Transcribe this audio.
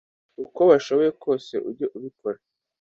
uko bashoboye kose uge ubikora